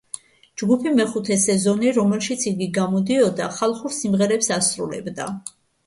ჯგუფი „მეხუთე სეზონი“, რომელშიც იგი გამოდიოდა, ხალხურ სიმღერებს ასრულებდა.